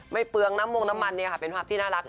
ไม่เปื้องน้ำมุงน้ำมันเป็นภาพที่น่ารัก